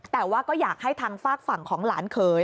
แต่ว่าก็อยากให้ทางฝากฝั่งของหลานเขย